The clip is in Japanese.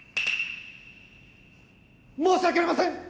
申し訳ありません！